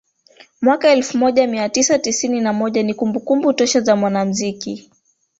mwaka elfu moja mia tisa tisini na moja ni kumbukumbu tosha za mwanamuziki